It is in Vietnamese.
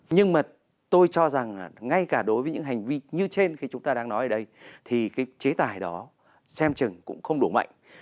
nhưng mà tôi cho rằng ngay cả đối với những hành vi như trên khi chúng ta đang nói ở đây thì cái chế tài đó xem chừng cũng không đủ mạnh